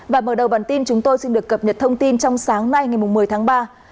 và mở đầu bản tin chúng tôi xin được cập nhật thông tin trong sáng nay ngày một mươi tháng ba